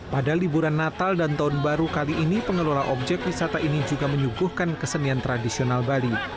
pada liburan natal dan tahun baru kali ini pengelola objek wisata ini juga menyuguhkan kesenian tradisional bali